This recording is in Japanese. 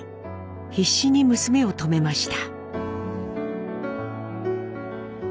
必死に娘を止めました。